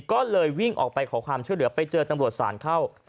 ก็เลยวิ่งออกไปขอความช่วยเหลือไปเจอตำรวจศาลเข้า